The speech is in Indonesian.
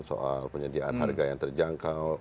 soal penyediaan harga yang terjangkau